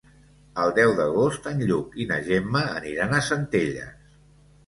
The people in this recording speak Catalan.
El deu d'agost en Lluc i na Gemma aniran a Centelles.